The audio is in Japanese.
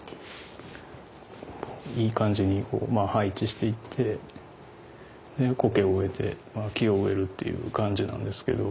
いい感じにこう配置していってコケを植えて木を植えるっていう感じなんですけど。